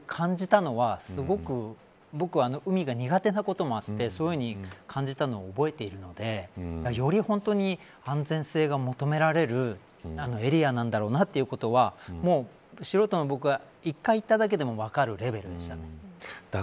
ここで何か起きたら危ないなと感じたのは僕は海が苦手なこともあってそういうふうに感じたことを覚えているのでより安全性が求められるエリアなんだろうなということは素人の僕が１回行っただけでも分かるレベルでした。